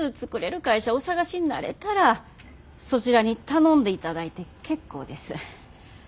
会社お探しになれたらそちらに頼んでいただいて結構です。